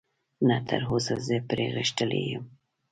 نه، تراوسه زه پرې غښتلی یم.